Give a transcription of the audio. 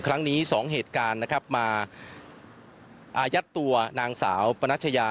ครั้งนี้๒เหตุการณ์นะครับมาอายัดตัวนางสาวปนัชยา